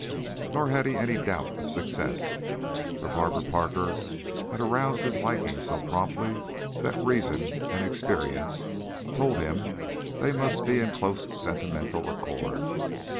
Nor had he any doubt of success, for Barbara Parker had aroused his liking so promptly that reason and experience told him they must be in close sentimental accord.